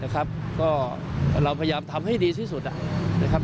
ก็เราพยายามทำให้ดีที่สุดนะครับ